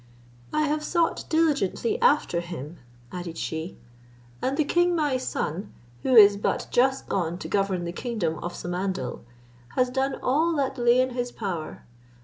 "I have sought diligently after him," added she, "and the king my son, who is but just gone to govern the kingdom of Samandal, has done all that lay in his power.